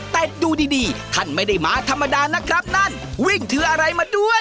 แต่ดูดีดีท่านไม่ได้มาธรรมดานะครับนั่นวิ่งถืออะไรมาด้วย